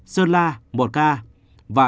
sơn la một ca